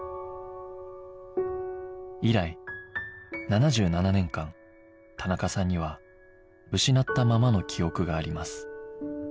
以来７７年間田中さんには失ったままの記憶があります